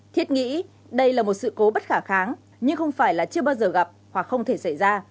thiết nghĩ đây là một sự cố bất khả kháng nhưng không phải là chưa bao giờ gặp hoặc không thể xảy ra